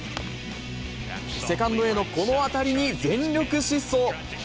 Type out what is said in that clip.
セカンドへのこの当たりに全力疾走。